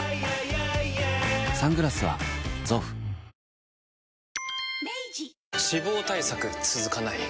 ニトリ脂肪対策続かない